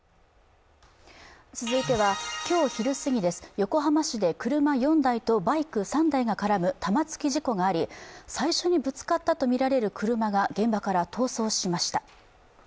続いては、今日昼過ぎです横浜市で車４台とバイク３台が絡む玉突き事故があり、最初にぶつかったとみられる車が現場から逃走しました。